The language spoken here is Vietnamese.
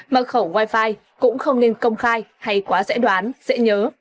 mật khẩu wifi cũng không nên công khai hay quá dễ đoán dễ nhớ